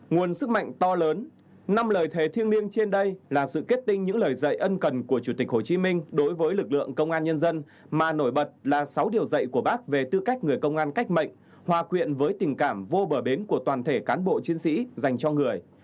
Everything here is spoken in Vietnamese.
nguồn sức mạnh to lớn năm lời thề thiêng liêng trên đây là sự kết tinh những lời dạy ân cần của chủ tịch hồ chí minh đối với lực lượng công an nhân dân mà nổi bật là sáu điều dạy của bác về tư cách người công an cách mệnh hòa quyện với tình cảm vô bờ bến của toàn thể cán bộ chiến sĩ dành cho người